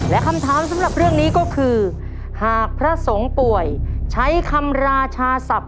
ที่เห็นพี่ปิ๊ดหน่อยผมก็เลยเข้าไปให้กำลังใจครับ